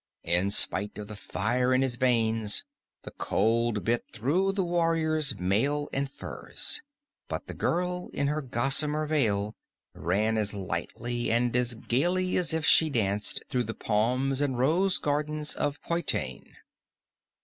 In spite of the fire in his veins, the cold bit through the warrior's mail and furs; but the girl in her gossamer veil ran as lightly and as gaily as if she danced through the palms and rose gardens of Poitain.